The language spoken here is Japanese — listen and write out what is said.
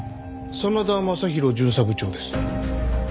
真田雅弘巡査部長です。